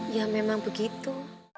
ya memang begitu